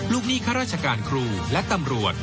หนี้ข้าราชการครูและตำรวจ